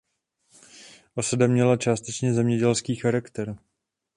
Osada měla částečně zemědělský charakter.